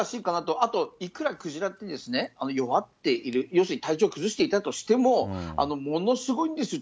あといくら、クジラって弱っている、要するに体調を崩していたとしても、ものすごいんですよ、力。